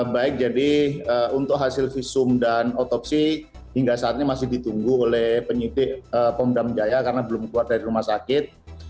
baik jadi untuk hasil visum dan otopsi hingga saat ini masih ditunggu oleh penyidik pom dam jaya karena belum keluar dari rumah sakit